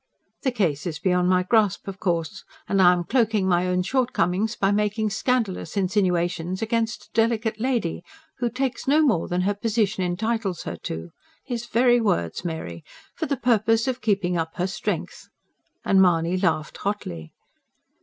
The case is beyond my grasp, of course, and I am cloaking my own shortcomings by making scandalous insinuations against a delicate lady, who 'takes no more than her position entitles her to' his very words, Mary! 'for the purpose of keeping up her strength.'" And Mahony laughed hotly.